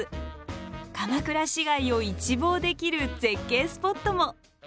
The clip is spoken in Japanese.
鎌倉市街を一望できる絶景スポットも。